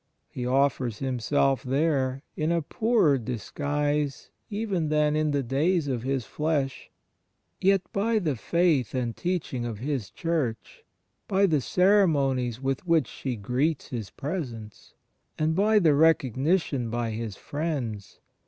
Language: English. He offers Himself there in a poorer disguise even than "in the days of His Flesh," * yet, by the faith and teaching of His Church, by the ceremonies with which she greets His Presence, and by the recognition by His friends.